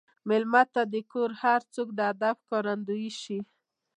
مېلمه ته د کور هر څوک د ادب ښکارندوي شي.